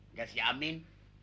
nggak si amin